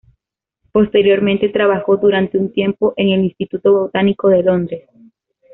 Posteriormente, trabajó durante un tiempo en el Instituto Botánico de Londres.